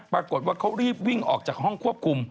ปรากฏว่าเขารีบวิ่งออกจากห้องควบคุม